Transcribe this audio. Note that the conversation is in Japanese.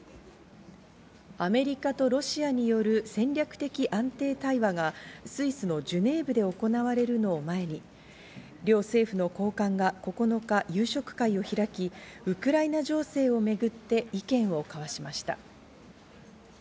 アメリカとロシアによる戦略的安定対話がスイスのジュネーブで行われるのを前に両政府の高官が９日、夕食会を開き、ウクライナ情勢をめぐって意見を交わしました。